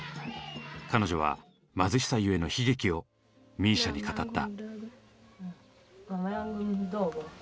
彼女は貧しさゆえの悲劇をＭＩＳＩＡに語った。